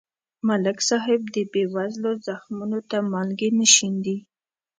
ملک صاحب د بېوزلو زخمونو ته مالګې نه شیندي.